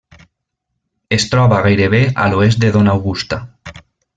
Es troba gairebé a l'oest de Dona Augusta.